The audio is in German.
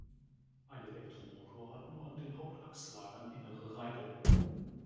Ein Elektromotor hat nur an den Hauptachslagern innere Reibung.